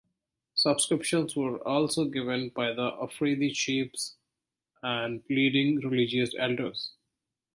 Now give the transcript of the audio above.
Subscriptions were also given by the Afridi Chiefs and leading religious elders.